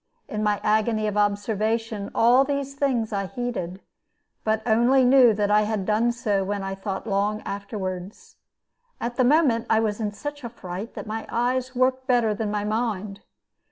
In my agony of observation all these things I heeded, but only knew that I had done so when I thought long afterward. At the moment I was in such a fright that my eyes worked better than my mind.